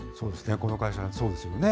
この会社、そうですよね。